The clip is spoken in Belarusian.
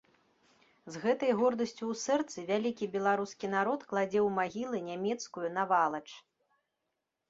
З гэтай гордасцю ў сэрцы вялікі беларускі народ кладзе ў магілы нямецкую навалач.